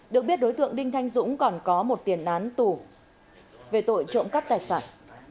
được biết đối tượng đinh thanh dũng còn có một tiền án tù về tội trộm cắp tài sản